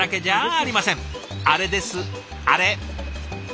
あれですあれ！